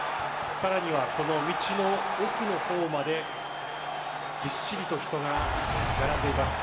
さらには、この道の奥の方までぎっしりと人が並んでいます。